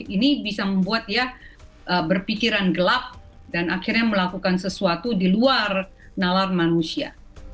ini bisa membuat dia berpikiran gelap dan akhirnya melakukan sesuatu di luar nalar manusia